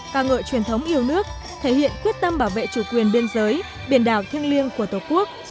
ca ngợi truyền thống yêu nước thể hiện quyết tâm bảo vệ chủ quyền biên giới biển đảo thiêng liêng của tổ quốc